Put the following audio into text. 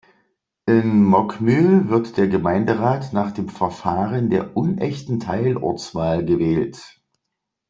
In Möckmühl wird der Gemeinderat nach dem Verfahren der unechten Teilortswahl gewählt.